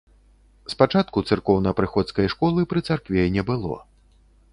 Спачатку царкоўна-прыходскай школы пры царкве не было.